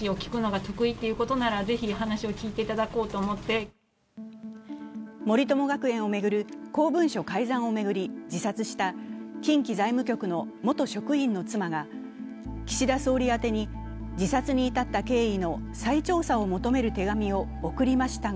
更に森友学園を巡る公文書改ざんを巡り自殺した近畿財務局の元職員の妻が岸田総理宛てに自殺に至った経緯の再調査を求める手紙を送りましたが